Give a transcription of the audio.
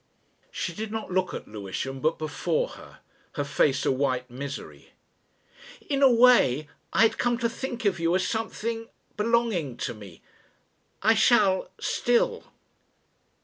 She did not look at Lewisham, but before her, her face a white misery. "In a way I had come to think of you as something, belonging to me ... I shall still."